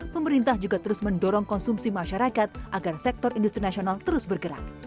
pemerintah juga terus mendorong konsumsi masyarakat agar sektor industri nasional terus bergerak